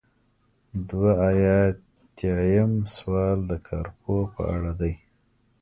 دوه ایاتیام سوال د کارپوه په اړه دی.